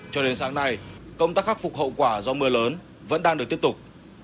cho đến sáng nay công tác khắc phục hậu quả do mưa lớn vẫn đang được tiếp tục